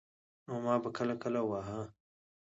نو ما به کله کله واهه.